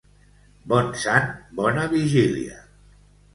Bon sant, bona vigília.